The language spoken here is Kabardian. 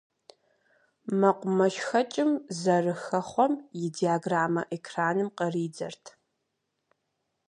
МэкъумэшхэкӀым зэрыхэхъуэм и диаграммэ экраным къридзэрт.